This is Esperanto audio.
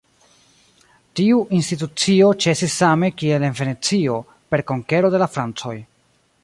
Tiu institucio ĉesis same kiel en Venecio, per konkero de la francoj.